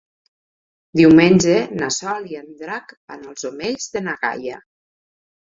Diumenge na Sol i en Drac van als Omells de na Gaia.